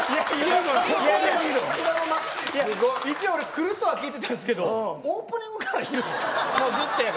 来るとは聞いてたんですけどオープニングからいる。